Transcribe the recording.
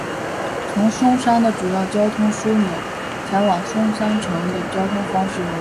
从松山的主要交通枢纽前往松山城的交通方式如下。